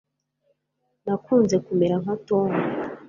nakunze kumera nka tom